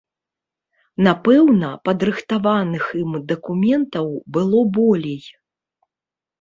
Напэўна, падрыхтаваных ім дакументаў было болей.